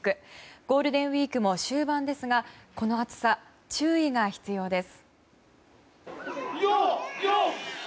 ゴールデンウィークも終盤ですがこの暑さ、注意が必要です。